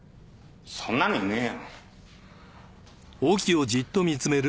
そんなのいねえよ。